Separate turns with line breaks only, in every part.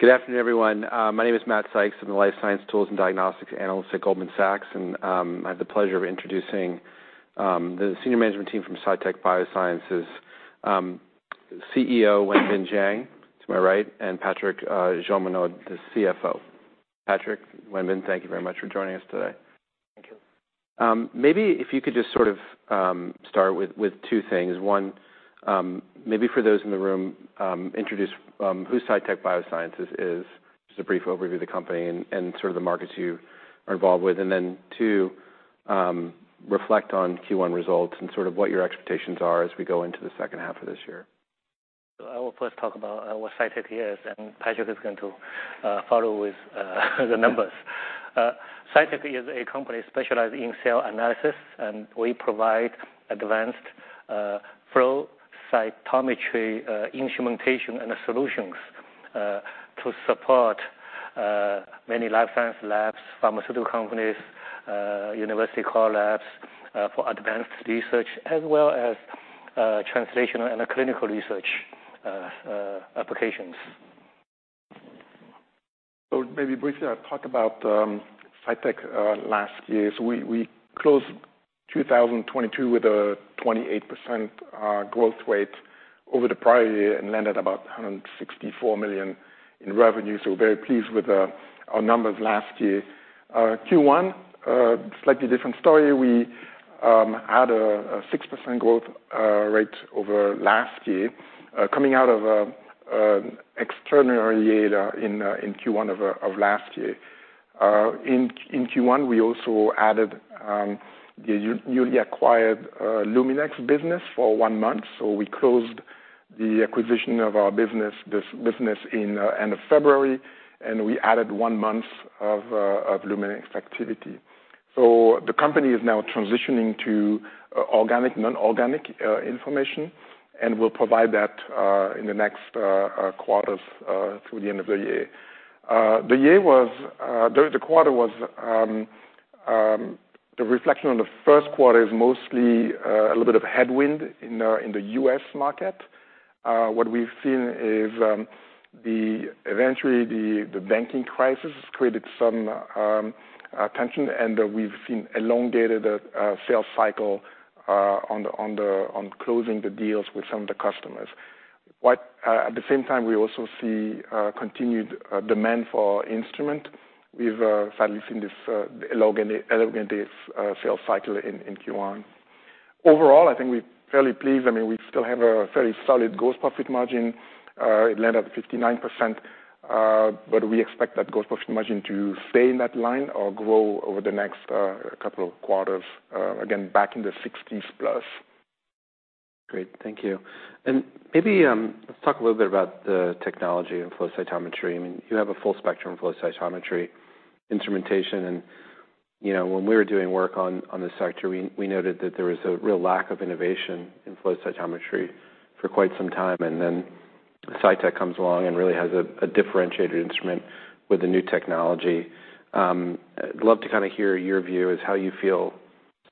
Good afternoon, everyone. My name is Matt Sykes. I'm the life science tools and diagnostics analyst at Goldman Sachs. I have the pleasure of introducing the senior management team from Cytek Biosciences. CEO, Wenbin Jiang, to my right, and Patrik Jeanmonod, the CFO. Patrik, Wenbin, thank you very much for joining us today.
Thank you.
Maybe if you could just sort of start with two things. One, maybe for those in the room, introduce who Cytek Biosciences is, just a brief overview of the company and sort of the markets you are involved with. Two, reflect on Q1 results and sort of what your expectations are as we go into the second half of this year.
I will first talk about what Cytek is, and Patrik is going to follow with the numbers. Cytek is a company specialized in cell analysis, and we provide advanced flow cytometry instrumentation, and solutions to support many life science labs, pharmaceutical companies, university core labs, for advanced research, as well as translational and clinical research applications.
Maybe briefly, I'll talk about Cytek last year. We closed 2022 with a 28% growth rate over the prior year and landed about $164 million in revenue, very pleased with our numbers last year. Q1, slightly different story. We had a 6% growth rate over last year, coming out of an extraordinary year in Q1 of last year. In Q1, we also added the newly acquired Luminex business for one month, we closed the acquisition of our business, this business, in end of February, and we added one month of Luminex activity. The company is now transitioning to organic, non-organic information, and we'll provide that in the next quarters through the end of the year. The quarter was the reflection on the first quarter is mostly a little bit of headwind in the U.S. market. What we've seen is, eventually, the banking crisis has created some tension, and we've seen elongated sales cycle on closing the deals with some of the customers. At the same time, we also see continued demand for instrument. We've finally seen this elongated sales cycle in Q1. Overall, I think we're fairly pleased. I mean, we still have a fairly solid gross profit margin. It landed at 59%, we expect that gross profit margin to stay in that line or grow over the next couple of quarters, again, back in the 60s plus.
Great. Thank you. Maybe, let's talk a little bit about the technology and flow cytometry. I mean, you have a full spectrum flow cytometry, instrumentation, and, you know, when we were doing work on this sector, we noted that there was a real lack of innovation in flow cytometry for quite some time, and then Cytek comes along and really has a differentiated instrument with the new technology. I'd love to kind of hear your view is how you feel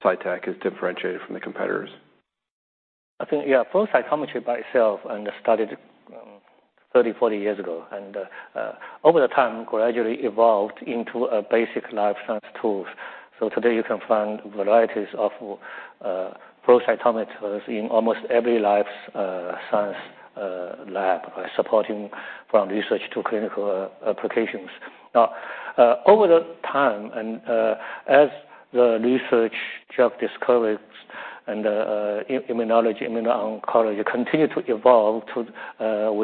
Cytek is differentiated from the competitors.
I think, yeah, flow cytometry by itself, and it started 30, 40 years ago, over the time, gradually evolved into a basic life science tools. Today you can find varieties of flow cytometers in almost every life science lab supporting from research to clinical applications. Over the time as the research drug discovers immunology, immuno-oncology continue to evolve with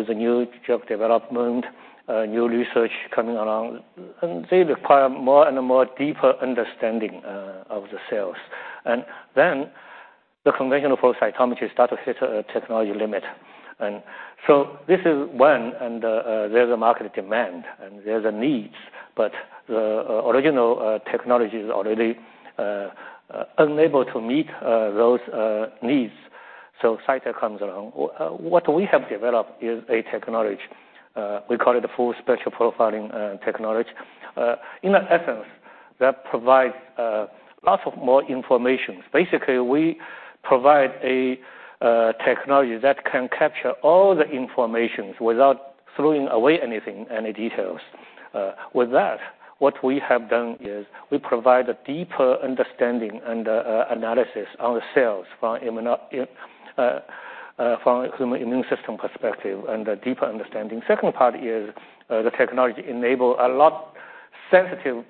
the new drug development, new research coming along, and they require more and more deeper understanding of the cells. The conventional flow cytometry start to hit a technology limit. This is when there's a market demand, and there's a needs, but the original technology is already unable to meet those needs, so Cytek comes along. What we have developed is a technology, we call it a Full Spectrum Profiling technology. In essence, that provides lots of more informations. Basically, we provide a technology that can capture all the informations without throwing away anything, any details. With that, what we have done is we provide a deeper understanding and analysis on the cells from immuno- from a human immune system perspective, and a deeper understanding. Second part is, the technology enable a lot sensitive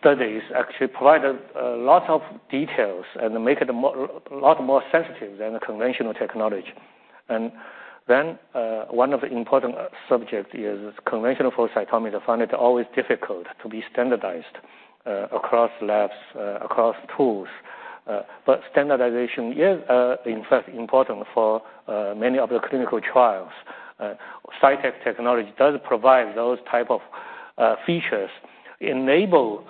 studies, actually provide a lot of details and make it a lot more sensitive than the conventional technology. One of the important subject is conventional flow cytometry find it always difficult to be standardized across labs, across tools. Standardization is, in fact, important for many of the clinical trials. Cytek technology does provide those type of features, enable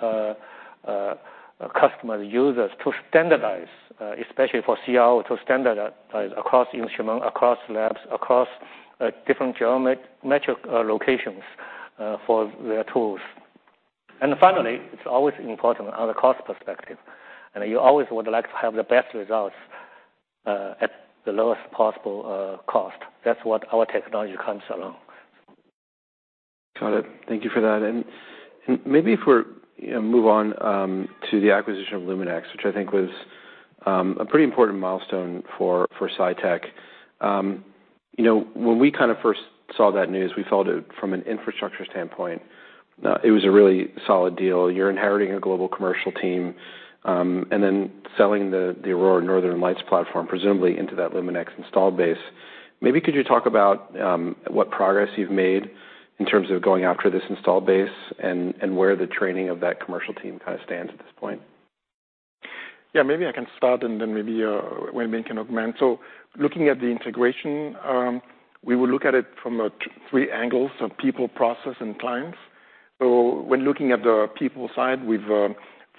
customer users to standardize, especially for CRO, to standardize across instrument, across labs, across different geometric locations for their tools. Finally, it's always important on the cost perspective, and you always would like to have the best results at the lowest possible cost. That's what our technology comes along.
Got it. Thank you for that. Maybe if we're, you know, move on to the acquisition of Luminex, which I think was a pretty important milestone for Cytek. You know, when we kind of first saw that news, we felt it from an infrastructure standpoint, it was a really solid deal. You're inheriting a global commercial team, and then selling the Aurora Northern Lights platform, presumably into that Luminex installed base. Maybe could you talk about what progress you've made in terms of going after this installed base and where the training of that commercial team kind of stands at this point?
Yeah, maybe I can start, and then maybe, Wenbin can augment. Looking at the integration, we will look at it from three angles: so people, process, and clients. When looking at the people side, we've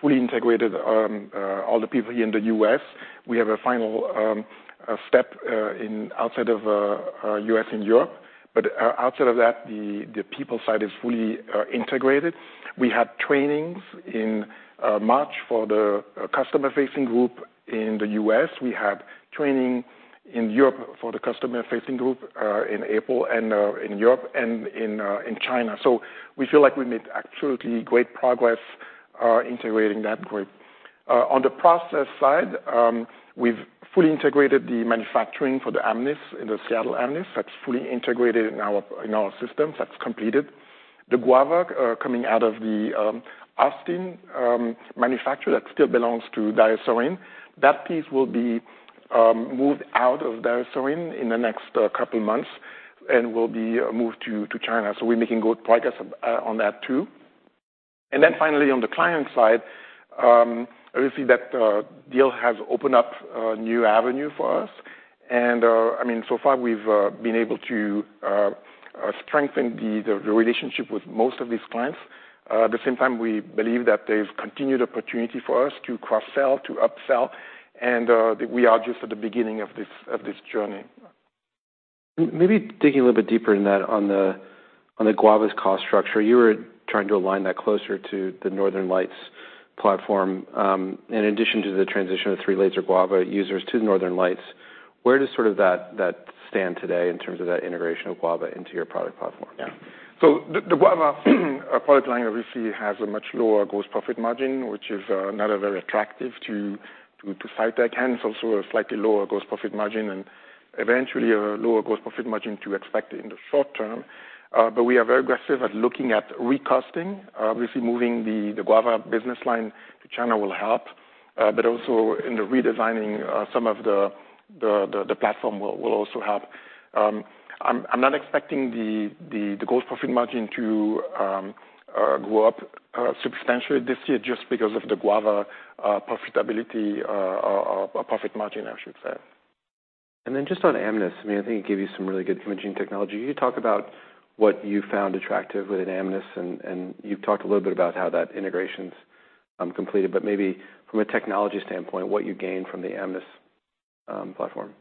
fully integrated all the people here in the U.S. We have a final step in outside of U.S. and Europe. Outside of that, the people side is fully integrated. We had trainings in March for the customer-facing group in the U.S. We had training in Europe for the customer-facing group in April, and in Europe and in China. We feel like we made absolutely great progress, integrating that group. On the process side, we've fully integrated the manufacturing for the Amnis in the Seattle Amnis. That's fully integrated in our, in our systems. That's completed. The Guava, coming out of the Austin manufacturer, that still belongs to DiaSorin. That piece will be moved out of DiaSorin in the next couple months and will be moved to China. We're making good progress on that, too. Finally, on the client side, obviously, that deal has opened up a new avenue for us. I mean, so far, we've been able to strengthen the relationship with most of these clients. At the same time, we believe that there's continued opportunity for us to cross-sell, to upsell, and we are just at the beginning of this, of this journey.
Maybe digging a little bit deeper in that, on the Guava's cost structure, you were trying to align that closer to the Northern Lights platform. In addition to the transition of three laser Guava users to the Northern Lights, where does sort of that stand today in terms of that integration of Guava into your product platform?
The Guava product line obviously has a much lower gross profit margin, which is not very attractive to Cytek. It's also a slightly lower gross profit margin and eventually, a lower gross profit margin to expect in the short term. We are very aggressive at looking at recosting. Obviously, moving the Guava business line to China will help. Also in the redesigning, some of the platform will also help. I'm not expecting the gross profit margin to go up substantially this year just because of the Guava profitability or profit margin, I should say.
Just on Amnis, I mean, I think it gave you some really good imaging technology. Can you talk about what you found attractive within Amnis, and you've talked a little bit about how that integration's completed, but maybe from a technology standpoint, what you gained from the Amnis platform?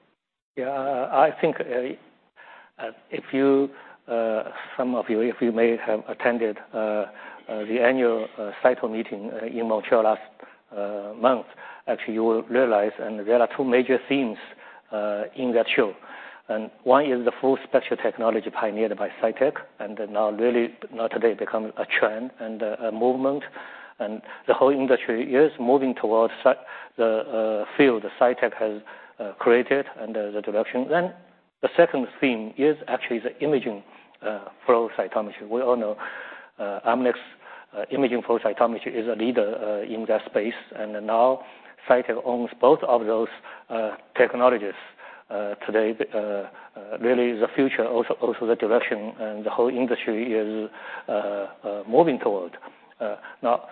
Yeah, I think, if you, some of you, if you may have attended, the annual CYTO meeting in Montreal last month, actually, you will realize, there are two major themes in that show. One is the full spectrum technology pioneered by Cytek, and now really, now today become a trend and a movement, and the whole industry is moving towards the field Cytek has created and the direction. The second theme is actually the imaging flow cytometry. We all know, Amnis imaging flow cytometry is a leader in that space, and now Cytek owns both of those technologies. Today, really the future, also the direction, and the whole industry is moving toward. Now,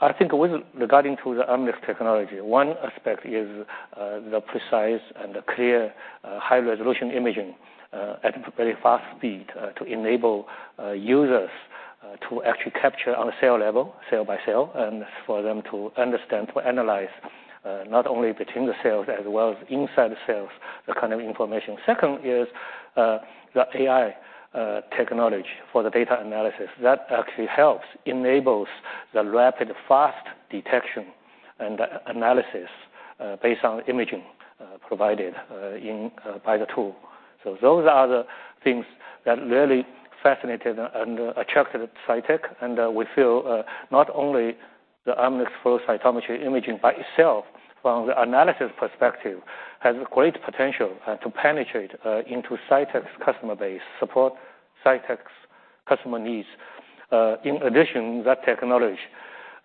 I think with regarding to the Amnis technology, one aspect is the precise and the clear, high-resolution imaging at very fast speed to enable users to actually capture on a cell level, cell by cell, and for them to understand, to analyze, not only between the cells as well as inside the cells, the kind of information. Second is the AI technology for the data analysis. That actually helps, enables the rapid, fast detection and analysis based on imaging provided by the tool. Those are the things that really fascinated and attracted Cytek, and we feel not only the Amnis flow cytometry imaging by itself from the analysis perspective, has great potential to penetrate into Cytek's customer base, support Cytek's customer needs. In addition, that technology,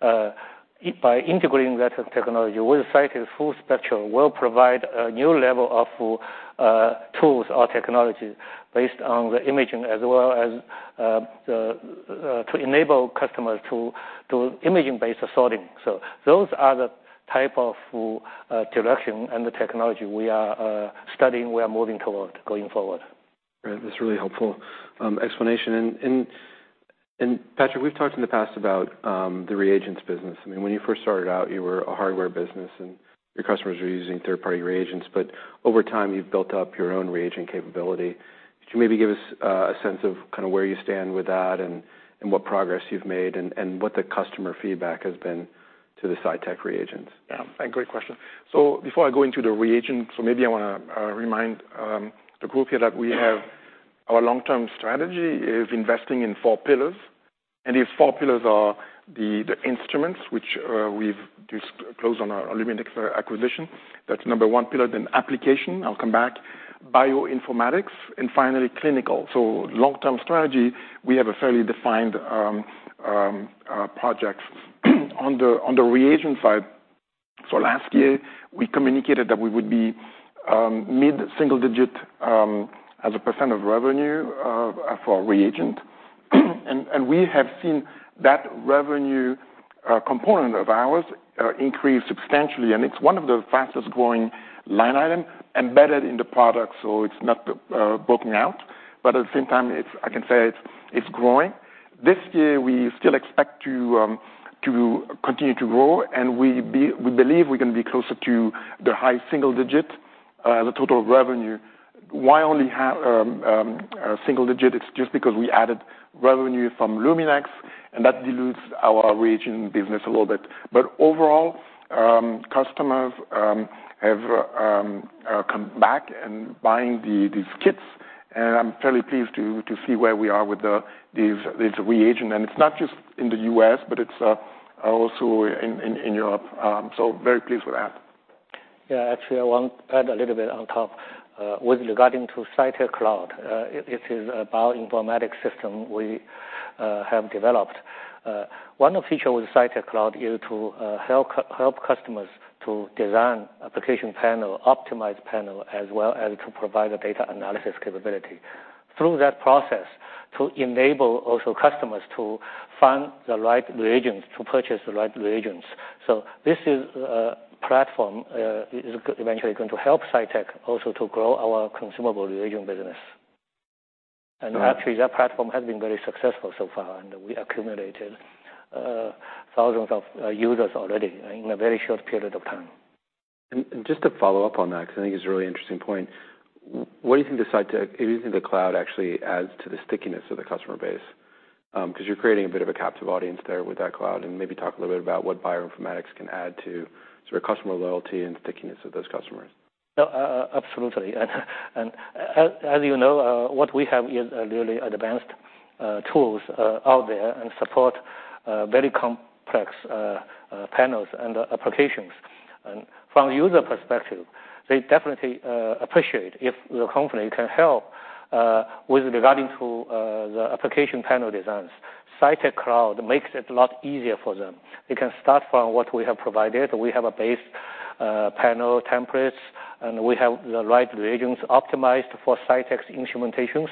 by integrating that technology with Cytek's Full Spectrum, will provide a new level of tools or technologies based on the imaging, as well as, the to enable customers to do imaging-based sorting. Those are the type of direction and the technology we are studying, we are moving toward going forward.
Great. That's really helpful, explanation. Patrik, we've talked in the past about the reagents business. I mean, when you first started out, you were a hardware business, and your customers were using third-party reagents, but over time, you've built up your own reagent capability. Could you maybe give us a sense of kind of where you stand with that, what progress you've made, what the customer feedback has been to the Cytek reagents?
Yeah, great question. Before I go into the reagent, maybe I wanna remind the group here that our long-term strategy is investing in four pillars. These four pillars are the instruments, which we've just closed on our Luminex acquisition. That's number one pillar. Application, I'll come back. Bioinformatics, and finally, clinical. Long-term strategy, we have a fairly defined projects. On the reagent side, last year we communicated that we would be mid-single digit as a % of revenue for reagent. We have seen that revenue component of ours increase substantially, and it's one of the fastest growing line item embedded in the product, it's not broken out, but at the same time, I can say it's growing. This year we still expect to continue to grow, and we believe we're gonna be closer to the high single-digit the total revenue. Why only single-digit? It's just because we added revenue from Luminex, and that dilutes our reagent business a little bit. Overall, customers have come back and buying these kits, and I'm fairly pleased to see where we are with the, these reagent. It's not just in the U.S., but it's also in Europe. Very pleased with that.
Actually, I want to add a little bit on top. With regarding to Cytek Cloud, it is a bioinformatic system we have developed. One feature with Cytek Cloud is to help customers to design application panel, optimize panel, as well as to provide the data analysis capability. Through that process, to enable also customers to find the right reagents, to purchase the right reagents. This is platform, eventually going to help Cytek also to grow our consumable reagent business.
Right.
Actually, that platform has been very successful so far, and we accumulated thousands of users already in a very short period of time.
Just to follow up on that, because I think it's a really interesting point. Do you think the cloud actually adds to the stickiness of the customer base? You're creating a bit of a captive audience there with that cloud, and maybe talk a little bit about what bioinformatics can add to sort of customer loyalty and stickiness of those customers.
Absolutely. As you know, what we have is really advanced tools out there and support very complex panels and applications. From a user perspective, they definitely appreciate if the company can help with regarding to the application panel designs. Cytek Cloud makes it a lot easier for them. They can start from what we have provided. We have a base panel templates, and we have the right reagents optimized for Cytek's instrumentations.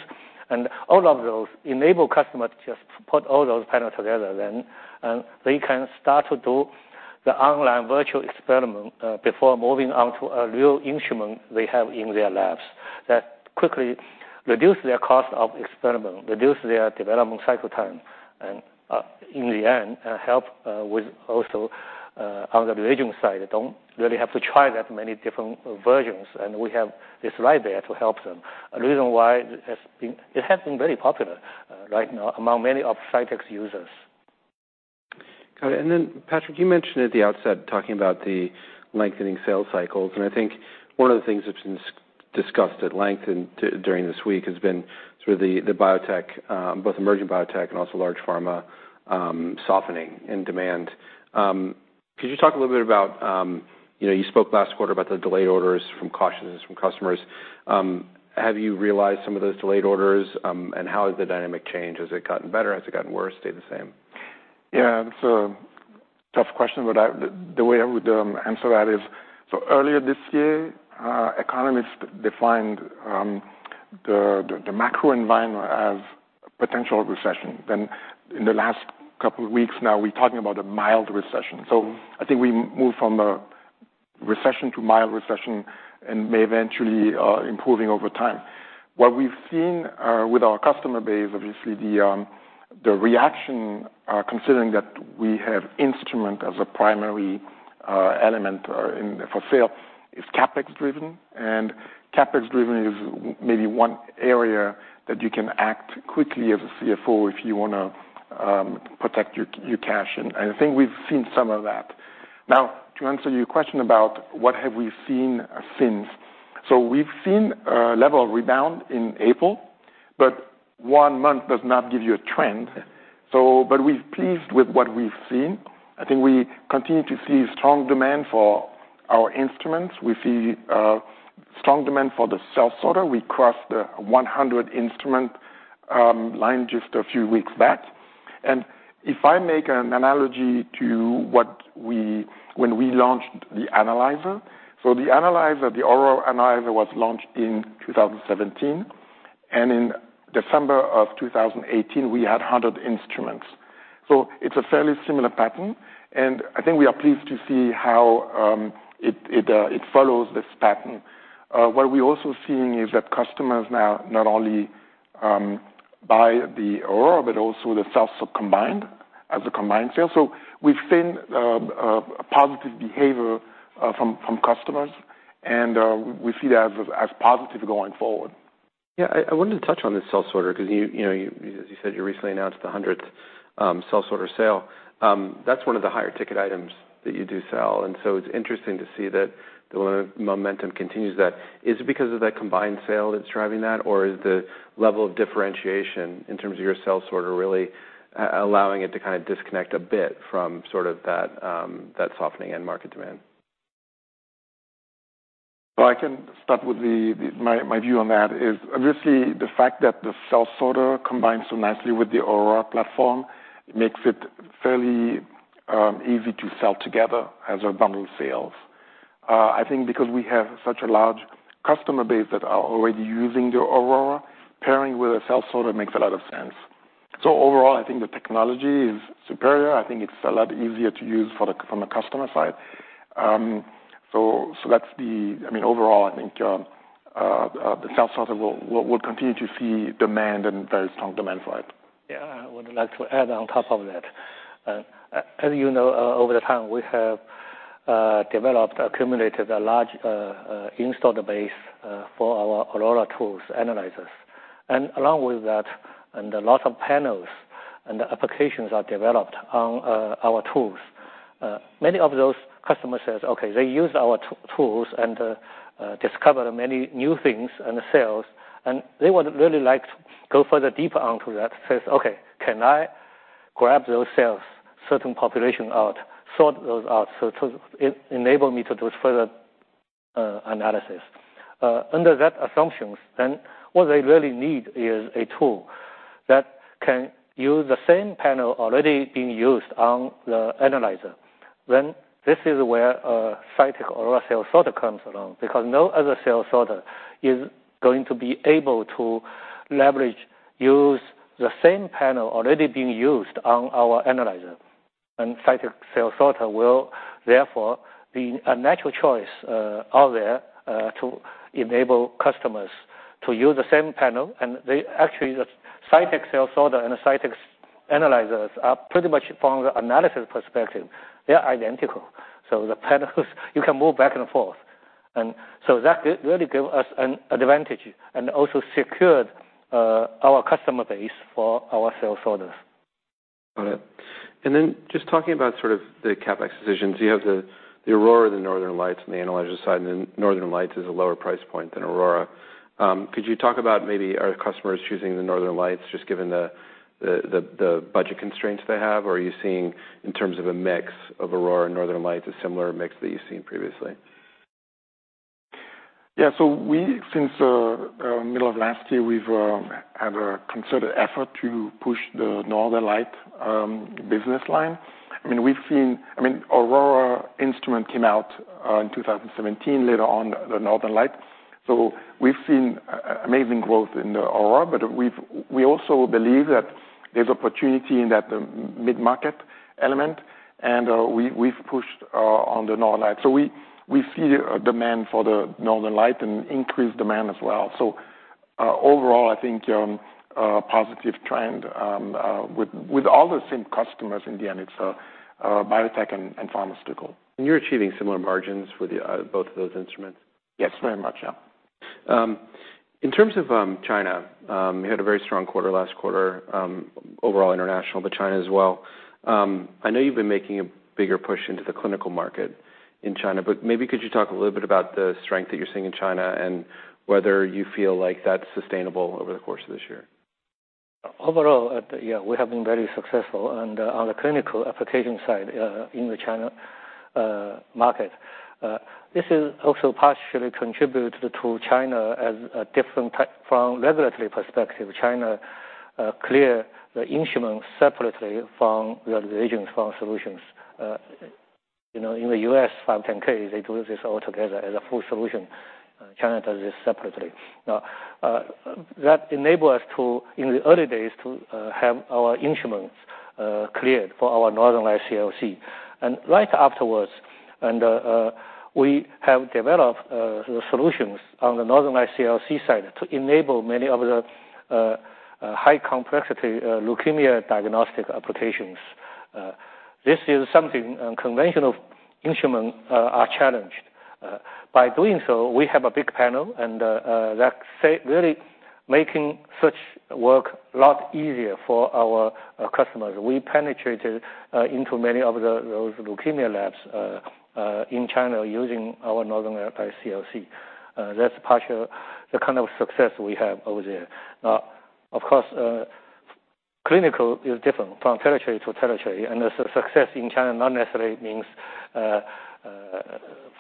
All of those enable customers to just put all those panels together then, and they can start to do the online virtual experiment before moving on to a real instrument they have in their labs. That quickly reduce their cost of experiment, reduce their development cycle time, and, in the end, help, with also, on the reagent side, they don't really have to try that many different versions, and we have this right there to help them. The reason why it has been very popular, right now among many of Cytek's users.
Got it. Patrik, you mentioned at the outset, talking about the lengthening sales cycles, and I think one of the things that's been discussed at length in, during this week has been sort of the biotech, both emerging biotech and also large pharma, softening in demand. Could you talk a little bit about... You know, you spoke last quarter about the delayed orders from cautious customers. Have you realized some of those delayed orders, and how has the dynamic changed? Has it gotten better? Has it gotten worse? Stayed the same?
Yeah. The way I would answer that is earlier this year, economists defined the macro environment as potential recession. In the last couple of weeks, now we're talking about a mild recession. I think we moved from a recession to mild recession and may eventually improving over time. What we've seen with our customer base, obviously the reaction, considering that we have instrument as a primary element for sale, is CapEx driven. CapEx driven is maybe one area that you can act quickly as a CFO if you wanna protect your cash, and I think we've seen some of that. To answer your question about what have we seen since? We've seen a level of rebound in April, but one month does not give you a trend. We're pleased with what we've seen. I think we continue to see strong demand for our instruments. We see strong demand for the cell sorter. We crossed the 100-instrument line just a few weeks back. If I make an analogy to when we launched the analyzer, so the analyzer, the Aurora analyzer, was launched in 2017, and in December of 2018, we had 100 instruments. It's a fairly similar pattern, and I think we are pleased to see how it follows this pattern. What we're also seeing is that customers now not only by the Aurora, but also the cell sorter combined, as a combined sale. We've seen, a positive behavior, from customers, and, we see that as positive going forward.
Yeah, I wanted to touch on this cell sorter, 'cause you know, as you said, you recently announced the hundredth cell sorter sale. That's one of the higher ticket items that you do sell, it's interesting to see that the momentum continues that. Is it because of that combined sale that's driving that, or is the level of differentiation in terms of your cell sorter really allowing it to kind of disconnect a bit from sort of that softening end market demand?
Well, I can start with My view on that is, obviously, the fact that the cell sorter combines so nicely with the Aurora platform makes it fairly easy to sell together as a bundle sales. I think because we have such a large customer base that are already using the Aurora, pairing with a cell sorter makes a lot of sense. Overall, I think the technology is superior. I think it's a lot easier to use from the customer side. I mean, overall, I think the cell sorter will continue to see demand and very strong demand for it.
Yeah, I would like to add on top of that. As you know, over the time, we have developed, accumulated a large install base for our Aurora tools analyzers. Along with that, a lot of panels and applications are developed on our tools. Many of those customers says, "Okay," they use our tools and discover many new things and the sales. They would really like to go further deeper onto that, says, "Okay, can I grab those sales, certain population out, sort those out, so to enable me to do further analysis?" Under that assumptions, what they really need is a tool that can use the same panel already being used on the analyzer. This is where Cytek Aurora cell sorter comes along, because no other cell sorter is going to be able to leverage, use the same panel already being used on our analyzer. Cytek cell sorter will therefore be a natural choice out there to enable customers to use the same panel. Actually, the Cytek cell sorter and the Cytek analyzers are pretty much, from the analysis perspective, they are identical. The panels, you can move back and forth. That did really give us an advantage and also secured our customer base for our cell sorters.
Got it. Just talking about sort of the CapEx decisions, you have the Aurora and the Northern Lights on the analyzer side, and then Northern Lights is a lower price point than Aurora. Could you talk about maybe, are customers choosing the Northern Lights, just given the budget constraints they have? Or are you seeing, in terms of a mix of Aurora and Northern Lights, a similar mix that you've seen previously?
Yeah. We, since middle of last year, we've had a considered effort to push the Northern Lights business line. I mean, Aurora instrument came out in 2017, later on, the Northern Lights. We've seen a amazing growth in the Aurora, but we also believe that there's opportunity in that mid-market element, and we've pushed on the Northern Lights. We see a demand for the Northern Lights and increased demand as well. Overall, I think a positive trend with all the same customers, in the end, it's biotech and pharmaceutical.
You're achieving similar margins for the both of those instruments?
Yes, very much so.
In terms of China, you had a very strong quarter last quarter, overall international, but China as well. I know you've been making a bigger push into the clinical market in China, maybe could you talk a little bit about the strength that you're seeing in China, and whether you feel like that's sustainable over the course of this year?
Overall, we have been very successful on the clinical application side in the China market. This is also partially contributed to China as a different from regulatory perspective. China clear the instruments separately from the reagents from solutions. You know, in the U.S., 510(k), they do this all together as a full solution. China does this separately. Now, that enable us to, in the early days, to have our instruments cleared for our Northern Lights-CLC. Right afterwards, we have developed the solutions on the Northern Lights-CLC side to enable many of the high complexity leukemia diagnostic applications. This is something, conventional instrument are challenged. By doing so, we have a big panel, and really making such work a lot easier for our customers. We penetrated into many of those leukemia labs in China using our Northern Lights-CLC. That's partially the kind of success we have over there. Now, of course, clinical is different from territory to territory, and the success in China not necessarily means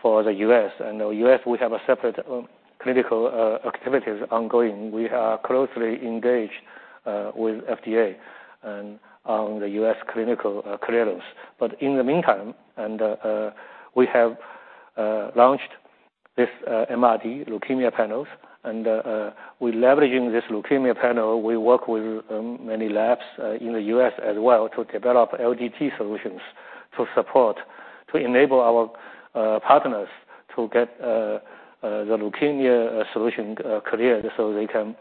for the U.S. The U.S., we have a separate clinical activities ongoing. We are closely engaged with FDA and the U.S. clinical clearance. In the meantime, we have launched this MR leukemia panels, we're leveraging this leukemia panel. We work with many labs in the U.S. as well, to develop LDT solutions. to support, to enable our partners to get the leukemia solution cleared, so they can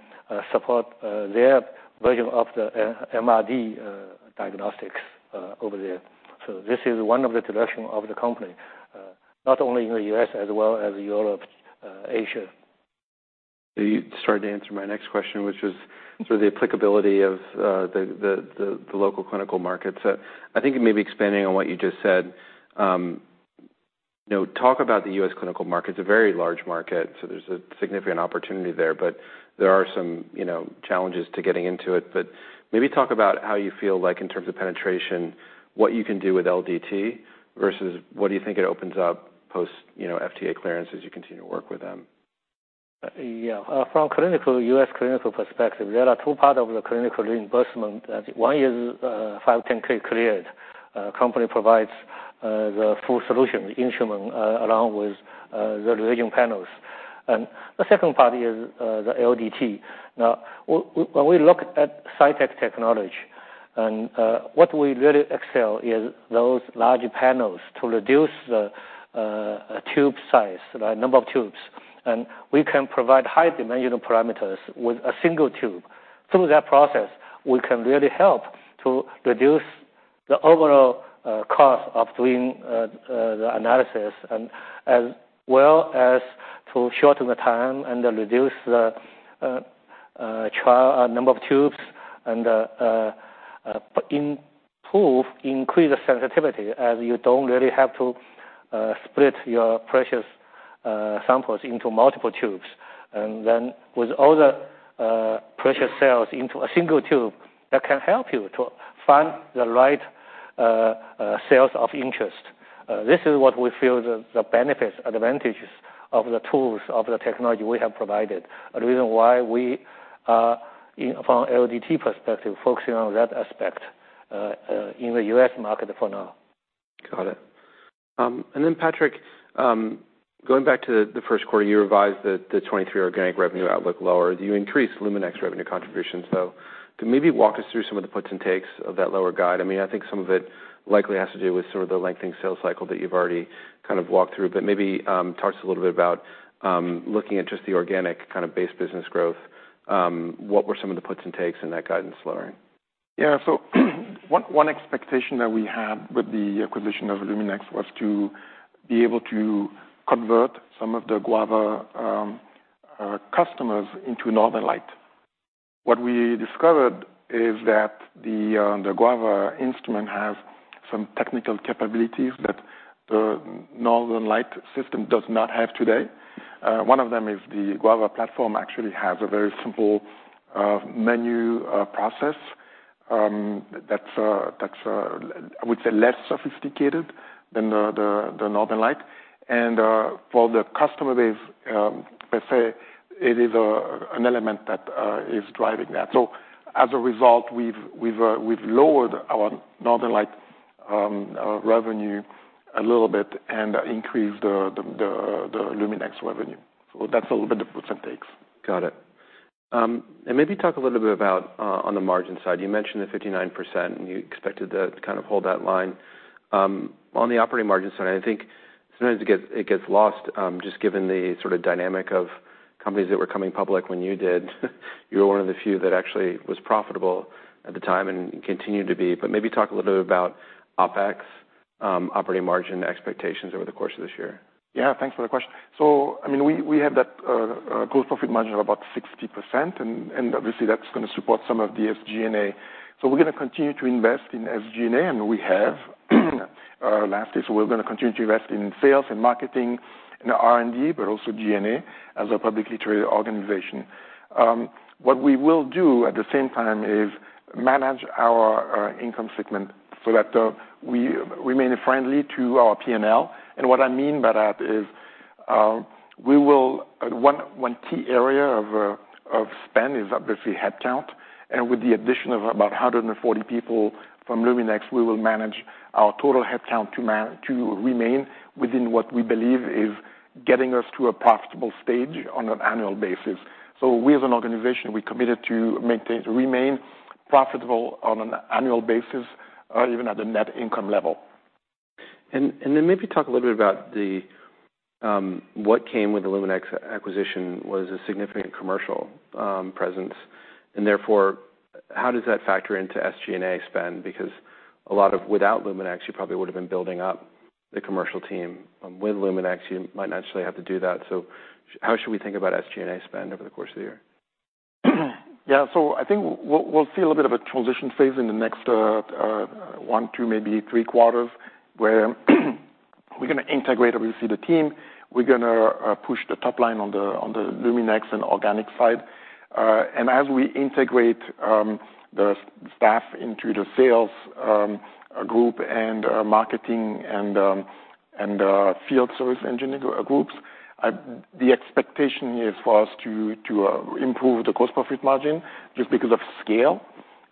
support their version of the MRD diagnostics over there. This is one of the direction of the company, not only in the U.S., as well as Europe, Asia.
You started to answer my next question, which was.
Mm-hmm.
-sort of the applicability of the local clinical markets. I think maybe expanding on what you just said, you know, talk about the U.S. clinical market. It's a very large market, so there's a significant opportunity there. There are some, you know, challenges to getting into it. Maybe talk about how you feel like in terms of penetration, what you can do with LDT versus what do you think it opens up post, you know, FDA clearance as you continue to work with them?
Yeah. From clinical, U.S. clinical perspective, there are two part of the clinical reimbursement. One is 510(k) cleared. Company provides the full solution, the instrument, along with the reagent panels. The second part is the LDT. When we look at Cytek technology and what we really excel is those larger panels to reduce the tube size, the number of tubes. We can provide high dimensional parameters with a single tube. Through that process, we can really help to reduce the overall cost of doing the analysis, and as well as to shorten the time and then reduce the trial number of tubes and improve, increase the sensitivity, as you don't really have to split your precious samples into multiple tubes. With all the precious cells into a single tube, that can help you to find the right cells of interest. This is what we feel the benefits, advantages of the tools, of the technology we have provided, the reason why we are, in from LDT perspective, focusing on that aspect, in the U.S. market for now.
Got it. Patrik, going back to the first quarter, you revised the 2023 organic revenue outlook lower. You increased Luminex revenue contribution. Could maybe walk us through some of the puts and takes of that lower guide? I think some of it likely has to do with sort of the lengthening sales cycle that you've already kind of walked through, maybe talk to us a little bit about looking at just the organic kind of base business growth, what were some of the puts and takes in that guidance lowering?
One expectation that we had with the acquisition of Luminex was to be able to convert some of the Guava customers into Northern Lights. What we discovered is that the Guava instrument has some technical capabilities that the Northern Lights system does not have today. One of them is the Guava platform actually has a very simple menu process that's I would say less sophisticated than the Northern Lights. For the customer base, let's say it is an element that is driving that. As a result, we've lowered our Northern Lights revenue a little bit and increased the Luminex revenue. That's a little bit of puts and takes.
Got it. Maybe talk a little bit about on the margin side. You mentioned the 59%, and you expected to kind of hold that line. On the operating margin side, I think sometimes it gets lost, just given the sort of dynamic of companies that were coming public when you did. You were one of the few that actually was profitable at the time and continue to be. Maybe talk a little bit about OpEx, operating margin expectations over the course of this year.
Yeah, thanks for the question. I mean, we have that gross profit margin of about 60%, and obviously that's gonna support some of the SG&A. We're gonna continue to invest in SG&A, and we have last year. We're gonna continue to invest in sales and marketing and R&D, but also G&A, as a publicly traded organization. What we will do at the same time is manage our income statement so that we remain friendly to our P&L. What I mean by that is, one key area of spend is obviously headcount, and with the addition of about 140 people from Luminex, we will manage our total headcount to remain within what we believe is getting us to a profitable stage on an annual basis. We as an organization, we're committed to remain profitable on an annual basis, even at the net income level.
Maybe talk a little bit about the what came with the Luminex acquisition was a significant commercial presence, and therefore, how does that factor into SG&A spend? Without Luminex, you probably would have been building up the commercial team. With Luminex, you might not actually have to do that. How should we think about SG&A spend over the course of the year?
I think we'll see a little bit of a transition phase in the next one, two, maybe three quarters, where we're gonna integrate obviously, the team. We're gonna push the top line on the Luminex and organic side. As we integrate the staff into the sales group and marketing and field service engineering groups, the expectation is for us to improve the gross profit margin just because of scale,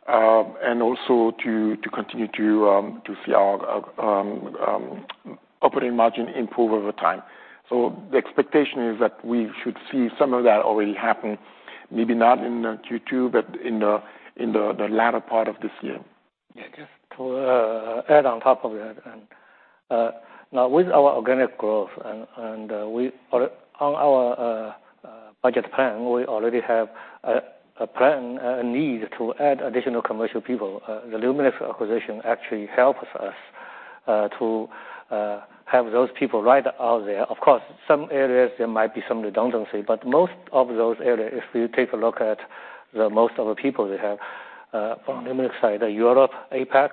and also to continue to see our operating margin improve over time. The expectation is that we should see some of that already happen maybe not in the Q2, but in the latter part of this year.
Just to add on top of that. Now with our organic growth, or on our budget plan, we already have a plan, a need to add additional commercial people. The Luminex acquisition actually helps us to have those people right out there. Of course, some areas there might be some redundancy. Most of those areas, if you take a look at the most of the people they have from Luminex side, Europe, APAC,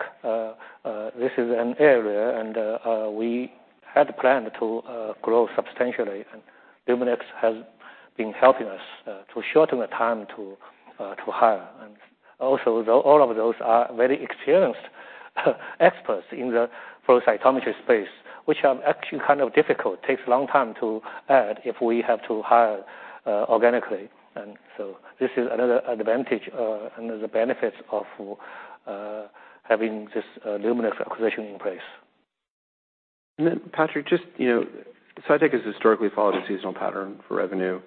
this is an area and we had planned to grow substantially, and Luminex has been helping us to shorten the time to hire. Also, though all of those are very experienced experts in the flow cytometry space, which are actually kind of difficult, takes a long time to add if we have to hire organically. This is another advantage, another benefits of having this Luminex acquisition in place.
Patrik, just, you know, Cytek has historically followed a seasonal pattern for revenue,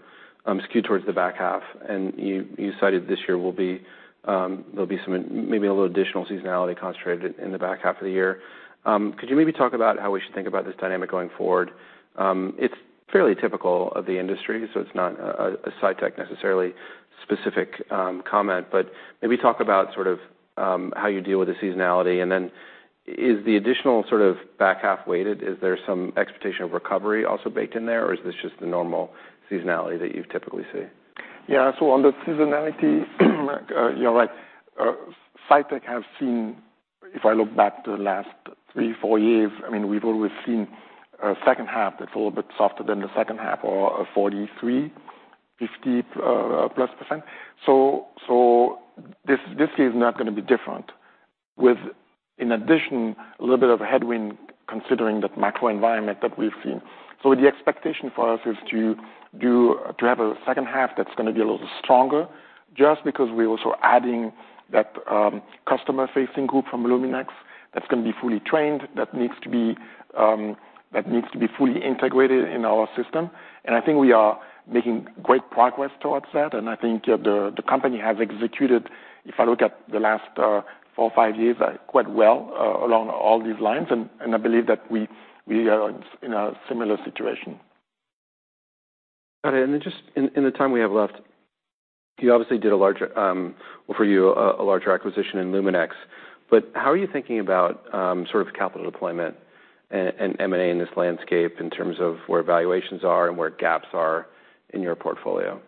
skewed towards the back half, and you cited this year will be, there'll be some, maybe a little additional seasonality concentrated in the back half of the year. Could you maybe talk about how we should think about this dynamic going forward? It's fairly typical of the industry, so it's not a Cytek necessarily specific comment, but maybe talk about sort of, how you deal with the seasonality, and then is the additional sort of back half weighted? Is there some expectation of recovery also baked in there, or is this just the normal seasonality that you typically see?
On the seasonality, you're right. Cytek have seen, if I look back to the last three, four years, I mean, we've always seen a second half that's a little bit softer than the second half or a 43, 50+%. This is not gonna be different. With, in addition, a little bit of a headwind, considering the macro environment that we've seen. The expectation for us is to have a second half that's gonna be a little stronger, just because we're also adding that customer-facing group from Luminex that's gonna be fully trained, that needs to be that needs to be fully integrated in our system. I think we are making great progress towards that, and I think the company has executed, if I look at the last four or five years, quite well, along all these lines, and I believe that we are in a similar situation.
Got it. Just in the time we have left, you obviously did a larger, well, for you, a larger acquisition in Luminex, but how are you thinking about sort of capital deployment and M&A in this landscape in terms of where valuations are and where gaps are in your portfolio?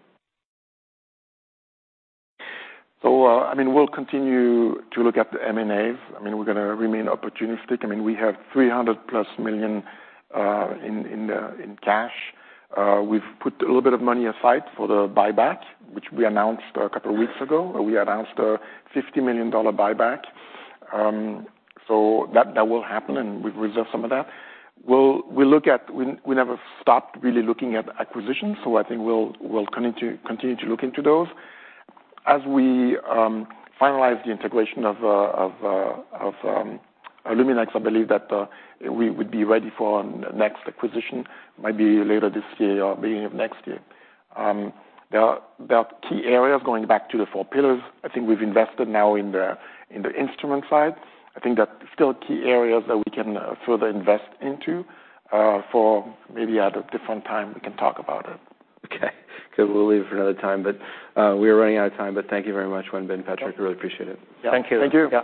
I mean, we'll continue to look at the M&A. I mean, we're gonna remain opportunistic. I mean, we have $300+ million in cash. We've put a little bit of money aside for the buyback, which we announced a couple of weeks ago, where we announced a $50 million buyback. So that will happen, and we've reserved some of that. We'll look at... We never stopped really looking at acquisitions, so I think we'll continue to look into those. As we finalize the integration of Luminex, I believe that we would be ready for next acquisition, might be later this year or beginning of next year. There are key areas, going back to the four pillars, I think we've invested now in the instrument side. I think that's still key areas that we can further invest into for maybe at a different time, we can talk about it.
Okay. Cool, we'll leave it for another time. We are running out of time, but thank you very much, Wenbin Patrik, we really appreciate it.
Thank you.
Thank you. Yeah.